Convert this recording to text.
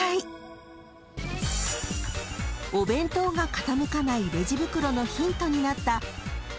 ［お弁当が傾かないレジ袋のヒントになった］